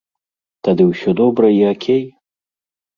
Тады ўсё добра і акей?